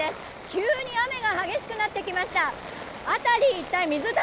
急に雨が激しくなってきました。